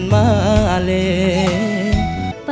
ไปไม่กลับมาเลยฟ้างปรวย